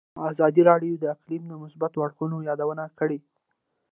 ازادي راډیو د اقلیم د مثبتو اړخونو یادونه کړې.